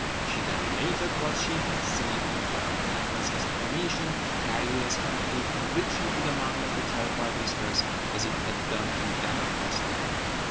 She then related what she had seen and heard; and Ahmed's exclamation carried as complete conviction to the mind of the terrified mistress as it had done to that of her slave.